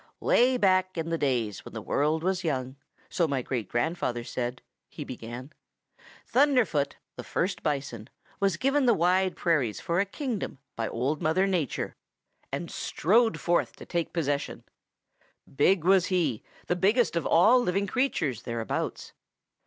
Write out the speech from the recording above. "Way back In the days when the world was young, so my great grandfather said," he began, "Thunderfoot, the first Bison, was given the Wide Prairies for a kingdom by Old Mother Nature and strode forth to take possession. Big was he, the biggest of all living creatures thereabouts.